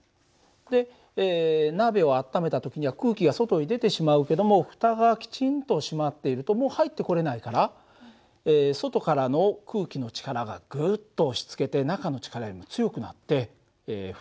で鍋を温めた時には空気が外へ出てしまうけどもふたがきちんと閉まっているともう入ってこれないから外からの空気の力がグッと押しつけて中の力よりも強くなってふたが取れない訳だよ。